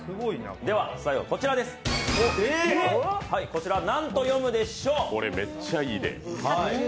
こちらは何と読むでしょう？